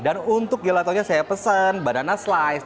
dan untuk gelatonya saya pesen banana slice